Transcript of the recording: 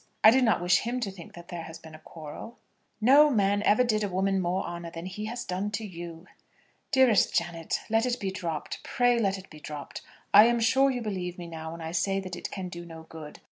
I do not wish him to think that there has been a quarrel." "No man ever did a woman more honour than he has done to you." "Dearest Janet, let it be dropped; pray let it be dropped. I am sure you believe me now when I say that it can do no good.